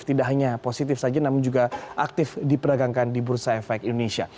tidak hanya positif saja namun juga aktif diperdagangkan di bursa efek indonesia